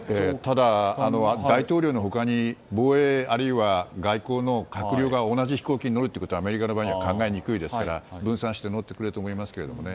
ただ大統領の他に防衛、あるいは外交の閣僚が同じ飛行機に乗るのはアメリカの場合考えにくいですから分散して乗ってくると思いますけどね。